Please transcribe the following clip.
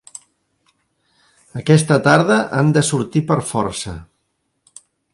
Aquesta tarda han de sortir per força.